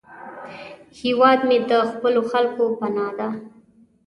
هیواد مې د خپلو خلکو پناه ده